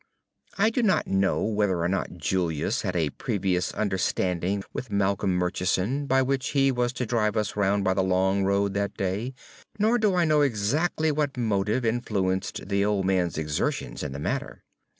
I do not know whether or not Julius had a previous understanding with Malcolm Murchison by which he was to drive us round by the long road that day, nor do I know exactly what motive influenced the old man's exertions in the matter.